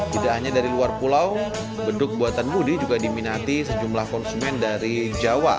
tidak hanya dari luar pulau beduk buatan budi juga diminati sejumlah konsumen dari jawa